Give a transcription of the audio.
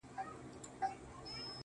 چي لمن د شپې خورېږي ورځ تېرېږي~